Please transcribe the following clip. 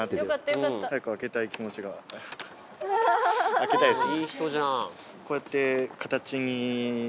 開けたいですね。